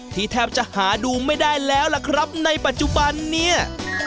แทบจะหาดูไม่ได้แล้วล่ะครับในปัจจุบันเนี่ย